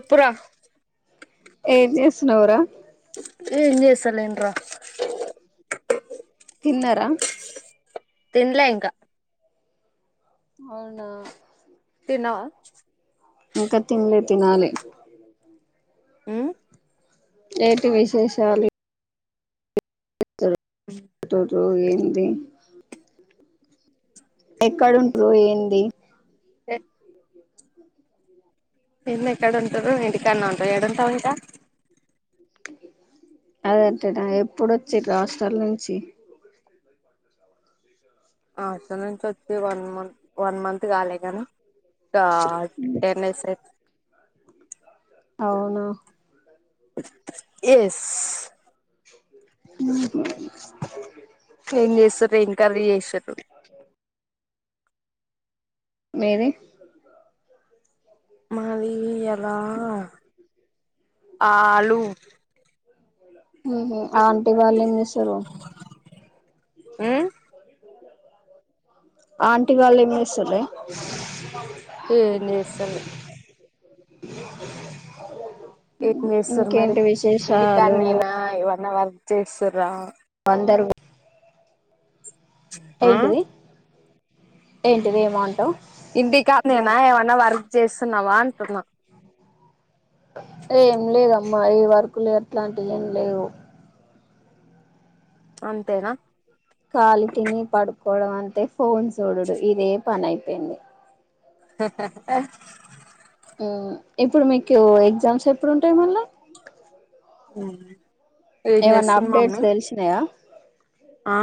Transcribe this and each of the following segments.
ఇప్పుడ ఏజేస్తున్నావ్ రా ఏజేస్తలేన్రా తిన్నర తిన్లే ఇంక అవునా తిన్నావ ఇంకా తినలే తినాలి మ్మ్ ఏంటి విశేషాలు ఇద్దరు టు టు ఏంది ఎక్కడంటురు ఏంది ఏంది ఎక్కడంటారు ఇంటికాడ్నె ఉంటరు ఏడ ఉంటావ్ ఇంక అదంటెనా ఎప్పుడొచ్చిర్రు హాస్టల్ నుంచి హాస్టల్ నుంచి వచ్చి వన్ మంత్ వన్ మంత్ కాలేగాని డా టెన్నిస్ ర్ అవునా ఎస్ మ్మ్ హు ఏజేస్సుర్రు ఏం కర్రీ జేస్సిర్రు మీది మాది అప్ వా ఆలు మ్మ్ హూ ఆంటీ వాళ్ళు ఏం చేస్ తుర్రు ఉమ్ ఆంటీ వాళ్ళు ఏం చేస్సుర్రే ఏజేస్స్ లె ఏం చేస్తున్నారు ఇంకేంటి విశేషాలు ఇంటికడానే ఉన్నారా మన్నా వర్క్ చేస్తుర్రా అందరూ ఆ ఏంటిది ఏంటిది ఏమో అంటావ్ ఇంటికాడ నైనా ఏమైనా వర్క్ చేస్తున్నావా అంటున్నా ఏం లేదమ్మా ఈ ‌వర్కులు అట్లాంటివి ఏం లేవు అంతేనా ఖాళీ తిని పడుకోవడం అంతే ఫోన్ చూడడు ఇదే ప పనైపోయింది ఉమ్ ఇప్పుడు మీకు ఎగ్జామ్స్ ఎప్పుడు ఉంటాయి మళ్ళ ఉమ్ ఏం ఏమన్నా చేస్తుంది అప్డేట్స్ మమ్మీ తెలిసినాయా ఆ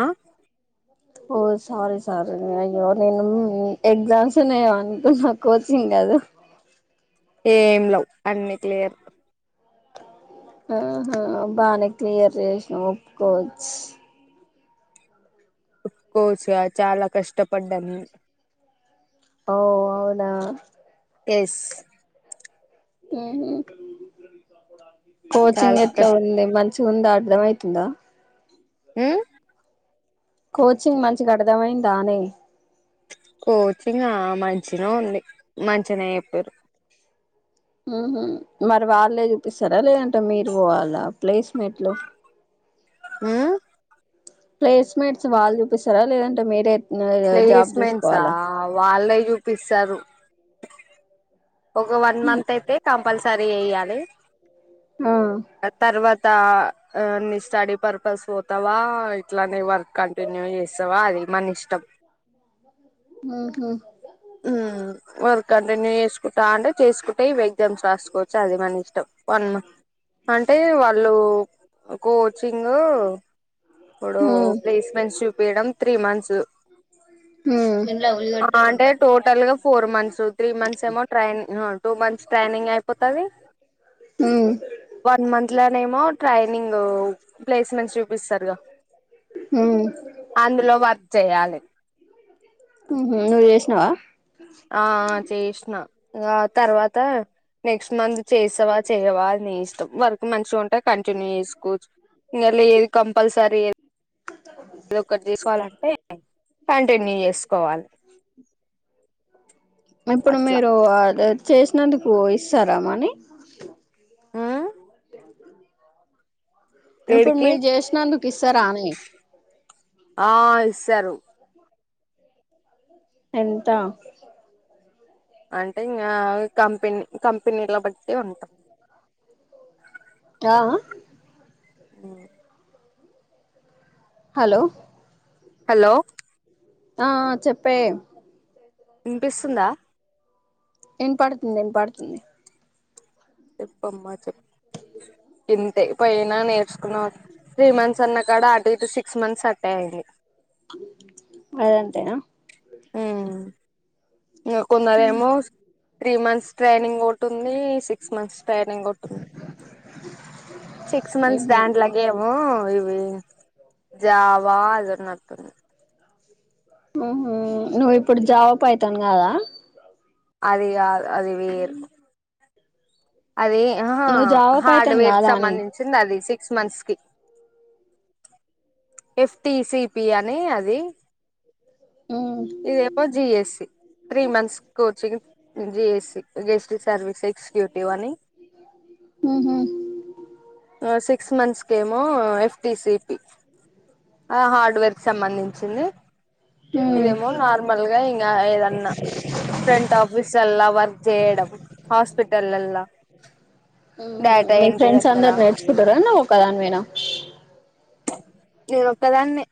ఓ సారీ సారీ అయ్యో నేను ఎగ్జామ్స్ ఉన్నాయి ఏ అనుకున్నా కోచింగ్ కాదు ఏం లవ్ అన్ని క్లియర్ ఆహా బానే క్లియర్ చేసిన ఒప్పుకోవచ్చు ఒప్పుకోవచ్చు కాదు చాలా కష్టపడ్డము ఓ అవునా ఎస్ అహుమ్ చాలా కోచింగ్ ఎట్లా కష్ట ఉంది మంచి చి ఉందా అర్ధం అయితుందా ఆమ్ కోచింగ్ మంచిగా అర్థమైందానే కోచింగ్ ఆ మంచినే ఉంది మంచిగానే చెప్తురు ఉహుమ్ మరి వాళ్ళే చూపిస్తారా లేదంటే మీరు పోవాలా ప్లేస్ మెంట్లు ఆమ్ ప్లేస్మెంట్స్ వాళ్ళు చూపిస్తారా లేదంటే మీరే జాబ్ ప్లేస్మెంట్సా చూసుకోవాలా ఆ వాళ్ళే చూపిస్తారు ఒక వన్ మంత్ అయితే కంపల్సర సరి వెయ్యాలి ఆ ఆ తర్వాత తా నీ స్టడీ పర్పస్ పోతావా ఇట్లానే వర్క్ కంటిన్యూ చేస్తావా అది మన ఇష్టం ఉహు ఉమ్ వర్క్ కంటిన్యూ చేస కా అంటే చేసుకుంటే ఎగ్జామ్స్ రాసుకోవచ్చు అది మన ఇష్టం వన్ మంత్ అంటే వాళ్ళు కోచింగ్ ఇప్పుడు ఉ ఉ ప్లేస్మెంట్స్ చూపియిడం త్రీ మంత్స్ ఉ అంటే టోటల్ గా four months three months amount training two months training అయిపోత కావి వన్ మంత్లోనేమో ట్రైనింగ్ ప్లేస్మెంట్ చూపిస్తారుగా ఉ అందులో వర్క్ చేయాలె ఉహు నువ్వు చేసినావా ఆ చేషినా ఆ తర్వాత నెక్స్ట్ మంత్ చేస్తావా చేయవా అ నే ఇష్టం వర్క్ మంచిగా ఉంటే కంటిన్యూ చేసుకోవచ్చు ఇంగ లేదు కంపల్సరీ అది ఒక్కటి తీసుకోవాలంటే కంటిన్యూ చేసుకోవాలి ఎప్పుడు అట్లా మీరు ఆ గె చేసినందుకు ఇస్తారా మాని ఉమ్ ఇప్పుడు లేడికి మీరు చేసినందుకు ఇస్తారా అని వస్తారు ఎంత అంటే ఇంకా కంపెనీ కంపెనీల బట్టి ఉంట జావా ఈ హలో హలో ఆ చెప్పే వినిపిస్తుందా వినపడుతుంది వినపడుతుంది చెప్పమ్మా చెప్ప ఇంతే పోయినా నేర్చుకున్న త్రీ మంత్స్ అన్నా కాడ అటు ఇటు సిక్స్ మంత్స్ అట్టే అయింది అదంతేనా ఊ కొందరేమో త్రీ మంత్స్ ట్రైనింగ్ ఒకటుంది సిక్స్ మంత్స్ ట్రైనింగ్ ఉంటుంది సిక్స్ మంత్స్ ఉహు దాంట్లాగ ఏమో జావా అదటుంది [unintelligible] ఉ నువ్వు ఇప్పుడు జావా పైథాన్ కాదా అది అది వేరు అది నువ్వు జావా పైతాన్ హార్డ్వేర్ కి కాదా అని సంబంధించింది అది సిక్స్ మంత్స్ కి ఎఫ్టి సిపి అని అది ఇది ఎవో జిఎస్స త్రీ మంత్స్ కోచింగ్ జిఎస్స జిఎస్టీ సర్వీస్ ఎక్జిక్యూటివ్ అని ఉహు సిక్స్ మంత్స్ ఏమో ఎఫ్టి సీపి ఆ హార్డ్వేర్ సంబంధించింది ఉ ఇదేమో నార్మల్గా ఇంగ ఏదన్నా ఫ్రంట్ ఆఫీస్లల్లా వర్క్ చేయడం హాస్పిటలల్లా డేటా ఎంట్రీ దగ్గర క్కదానివేనా నేను ఒక్కదాన్నే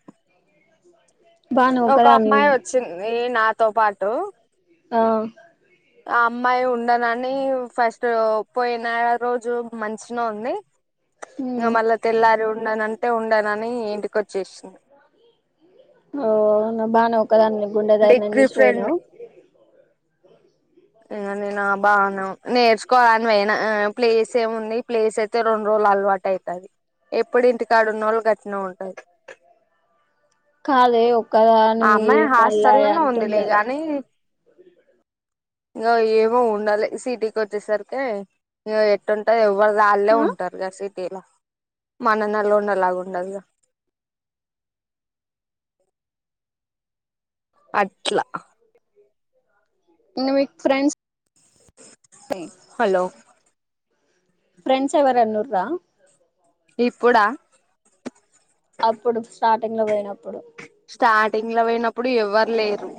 బానోక్కదాని వేంది ఎ నాతో పాటు ఆ ఆ అమ్మాయి ఉండనని ఫస్ట్ రో పోయిన రోజు మంచినే ఉంది ఇగ మల్ల తెల్లారి ఉం ఉండనంటే ఉండనని ఇంటికొచ్చేసింది ఓనా బా న ఒక్క దానివె గుండే ధైర్ణం డిగ్రీ ఫ్రెండ్ చేసిపోయినవ్ ఇంగ నేనా బాను నేర్చుకోళన్ పోయినా ఆ ప్లేస్ ఏముంది ప్లేస్ తే రొండు రోజులు అలవాటు అయితది ఎప్పుడు ఇంటికాడున్నోళ్ళు గట్నే ఉంటరు కాదే ఓ క్కదానివి మళ్ళాయి అంటుండదా ఇంగా ఏమో ఉండాలే సిటీకి వచ్చేసరికె ఇగా ఎట్టుంటది ఎవ ఎవ్వరిది ఆల్లే ఆ ఉంటారుగా సిటీలా మన నలోండలాగుండదుగా అట్లా ఇంగా మిక్ ఫ్రెండ్స్ హలో ఫ్రెండ్స్ ఎవరన్నూర్రా ఇప్పుడా అప్పుడు స్టార్టింగ్ లో పోయినప్పుడు స్టార్టింగ్ లో పోయినప్పుడు ఎవ్వరు లేరు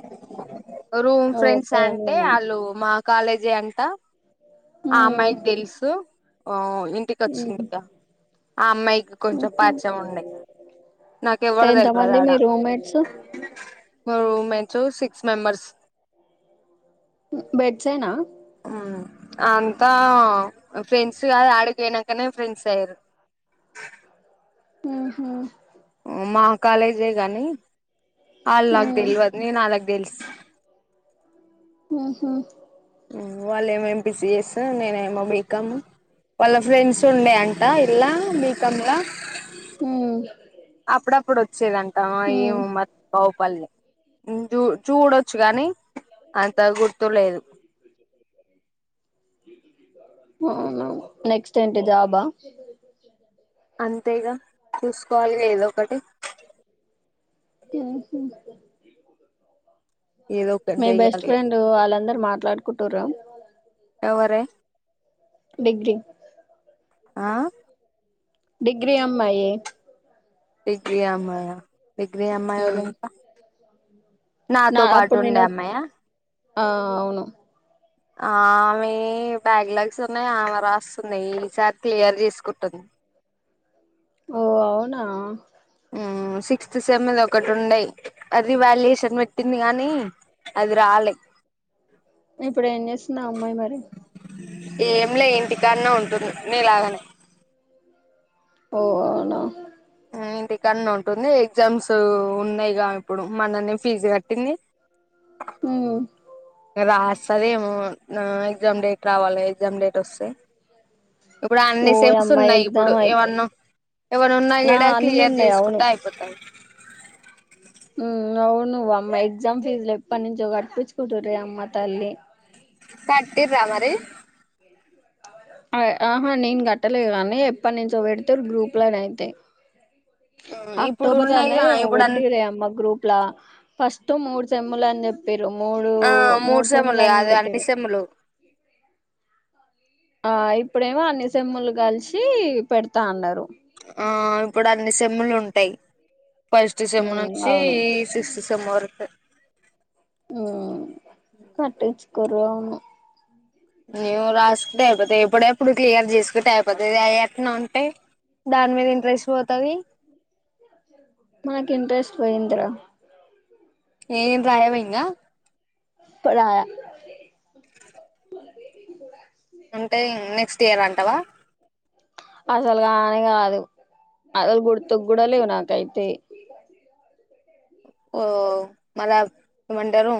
రూమ్ నువ్వు ఫ్రెండ్స్ అంటే ఒక్కదానివేనా ఆళ్ళు మా కాలేజే అంట ఆ ఉమ్ అమ్మాయికి తెలుసు ఇంటికి వచ్చింది ఇగ ఆ అమ్మాయికి కొంచెం పాచ్చాముండే నాకు ఎవ్వరు తెలవదు ఆడ మేడ్స్ మ రూమ్ మేట్స్ సిక్స్ మెంబర్స్ బెడ్సే నా ఉం అంతా ఫ్రెండ్స్ కాదు ఆడికి పోయినంకనే ఫ్రెండ్స్ అయిర్రు ఉహు మా కాలేజే గనీ అల్ ఉ నాగ్ తెల్వద్ నేన్ అళ్లక్ దెల్స్ ఉహు వాళ్ళ ఏమో ఎంపీసఎస్ నేనే ఏమో బీకామ్ వాళ్ళ ఫ్రెండ్స్ ఉండేంట ఇలా బీకామ్లా హ అప్పుడప్పుడు వచ్చేదంటడి ఆ ఏమో మరి కౌపల్లె చూ చూడొచ్చు కానీ అంత గుర్తులేదు నెక్స్ట్ ఏంటిదిాబా అంతేగా చూసుకోవాలి ఏదో ఒకటి త స ఏదో ఒకటి మీ బెస్ట్ చెయ్యాలి ఫ్రెండ్ వాళ్ళందరు మాట్లాడుకు కుంటుర్ర ఎవరే డిగ్రీ ఆ డిగ్రీ అమ్మాయి డిగ్రీ అమ్మాయ డిగ్రీ అమ్మాయి ఎవలు ఉమ్ ఇంకా నా నాతో పాటు అప్పుడు ఉండే నేను అమ్మయా ఆ అవును ఆమె బ్యాక్ లాగ్స్ ఉన్నాయి ఆమెరా వస్తుందియి ఈసారి క్లియర్ చేసుకుంటుంది ఓ అవునా సిక్స్త్ సెమెది ఒకటి ఉండేయి అది వాల్యుయేషన్ పెట్టింది కానీ అది రాలే ఇప్పుడు ఏం చేస్తున్నా అమ్మాయి మరి ఇంటికాన్నా ఉంటుంది నేలాగనే ఓ అవునా ఇంటికన్న ఉంటుంది ఎగ్జామ్స్ ఉన్నాయిగా ఇప్పుడు మననే ఫీజు కట్టింది హ రాస్తది ఏమో ఎగ్జామ్ డేట్ రావాలి ఎగ్జామ్ డేట్ వస్తే ఇప్పుడు ఓ అన్ని సెమ్స్ యమ్మ ఉన్నాయి ఇప్పుడు ఎగ్జామ్ అయితే ఏమన్నా ఏవన్నా ఉన్నా ఆ కూడా అన్ని క్లియర్ ఉన్నాయి చేసుకుంటే అయిపోతాయి అవు నువ్వు అమ్మయి ఎగ్జామ్ ఫీజు లో ఎప్పటి నుంచో కడిపించుకుంటు్రే అమ్మ తల్లి కట్టిర్ర మరి ఆహా నేను కట్టలేదు కానీ ఎప్పటి నుంచో పెడితే గ్రూప్లోనే అయితే ఇప్పుడు అక్టోబర్లనే ఉన్నాయిగా ఏమో ఇప్పుడు అన్ పెట్టిర్రె అమ్మ గ్రూప్ లా ఫస్ట్ మూడు సేమ్ములు అని చె చెప్పరు మూడు ఆ మూడు సెమ్ములు అనీ కాదు అన్ని పెట్టరు సెమ్ములు ఆ ఇప్పుడేమో అన్ని సేమ్ములు కలిసి పెడతా అన్నారు ఆ ఇప్పుడు అన్ని సెమ్ములు ఉంటాయి ఫస్ట్ డిసెంబర్ ఉమ్ నుంచి అవును సిక్స్త్ డిసెంబర్ హ ఆ కట్ కుర్రేమో నీవ్ రాస్తే అయిపోతాయి ఎప్పుడ ఎప్పుడు క్లియర్ చేసుకుంటే అయిపోతది అ యి ఎట్నో ఉంటే దాని మీద ఇంట్రెస్ట్ పోతది మనకి ఇంట్రెస్ట్ పోయిందిరా ఎమ్ రాయవయింగా పుడు [unintelligible] రాయా అంటే నెక్స్ట్ ఇయర్ అంటావా అసలు గానే కాదు అసలు గుర్తుకు కూడా లేవు నాకైతే ఓ మళ ఏమంటారు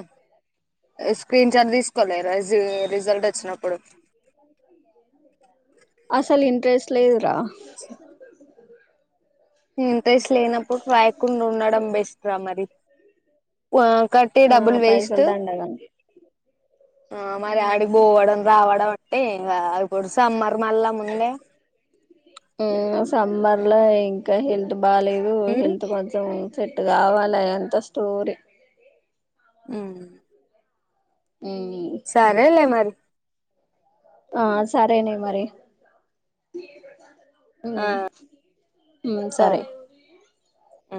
స్క్రీన్ చార్ట్ తీసుకోలేరు రజ్ రిజల్ట్ వచ్చినప్పుడు అసలు ఇంట్రెస్ట్ లేదు ఆ ఉమ్ తేస్ లేనప్పుడు రాయకుండ్ ఉండడం బెస్ట్ రా [unintelligible] మరి వావ్ కట్టి ఆ డబ్బులు వేస్ట్ పైసలు దండగని ఆ మరి ఆడిపోవడం రావడం ఎ ఆ కుడ్ స మార్ మల్ల [unintelligible] ముందే లా ఇంకా హెల్త్ బాలేదు హెల్త్ కొంచెం సెట్ కావాలి అంత స్టోరీ ఉమ్ సరేలే మరి ఆ సరేనే మరి ఉమ్ ఆ ఉమ్ సరే ఉ